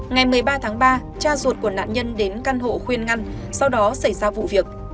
ngày một mươi ba tháng ba cha ruột của nạn nhân đến căn hộ khuyên ngăn sau đó xảy ra vụ việc